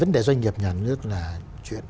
doanh nghiệp nhà nước là chuyện